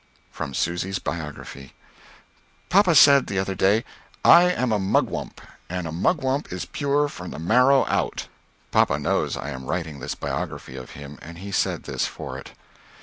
From Susy's Biography. Papa said the other day, "I am a mugwump and a mugwump is pure from the marrow out." (Papa knows that I am writing this biography of him, and he said this for it.)